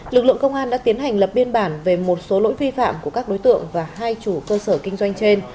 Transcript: lực lượng công an đã tiến hành lập biên bản về một số lỗi vi phạm của các đối tượng và hai chủ cơ sở kinh doanh trên